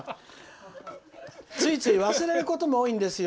「ついつい忘れることも多いんですよ。